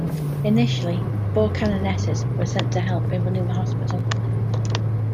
Initially four canonesses were sent to help in running the hospital.